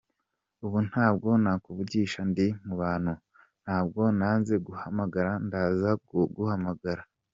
Ubu ntabwo nakuvugisha ndi mu bantu, ntabwo nanze kuguhamagara, ndaza kuguhamagara.